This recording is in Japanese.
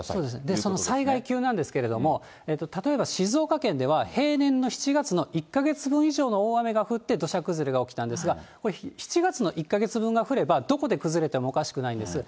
その災害級なんですけれども、例えば静岡県では平年の７月の１か月分以上の大雨が降って土砂崩れが起きたんですが、７月の１か月分が降れば、どこで崩れてもおかしくないんです。